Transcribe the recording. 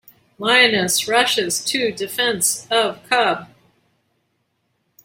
Lioness Rushes to Defense of Cub.